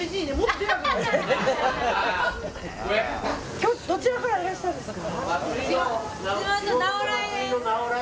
今日どちらからいらしたんですか？